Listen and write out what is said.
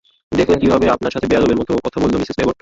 দেখলেন কিভাবে আপনার সাথে বেয়াদবের মতো কথা বলল, মিসেস ব্যাগট।